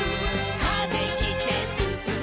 「風切ってすすもう」